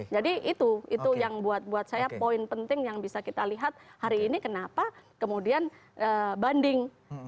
jadi itu yang buat saya poin penting yang bisa kita lihat hari ini kenapa kemudian banding